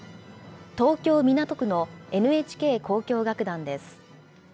東京・港区のＮＨＫ交響楽団です。